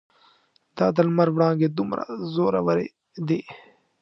دا د لمر وړانګې دومره زورورې دي.